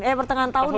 eh pertengahan tahun ya